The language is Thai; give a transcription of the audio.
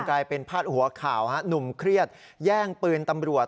กลายเป็นพาดหัวข่าวหนุ่มเครียดแย่งปืนตำรวจ